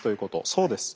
そうです。